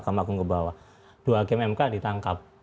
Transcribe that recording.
dua hakim mk ditangkap